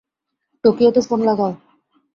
টোকিওতে phone লাগাও।